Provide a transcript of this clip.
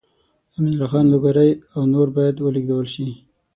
امین الله خان لوګری او نور باید ولېږدول شي.